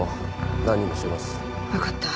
分かった。